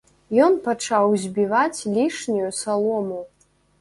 Ён пачаў збіваць лішнюю салому.